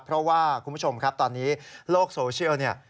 เพราะว่าคุณผู้ชมครับตอนนี้โลกโซเชียลเนี่ย